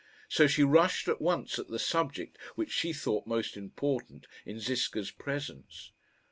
So she rushed at once at the subject which she thought most important in Ziska's presence.